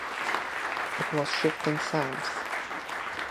It was shifting sands.